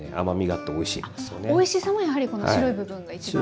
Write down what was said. あおいしさもやはり白い部分が一番。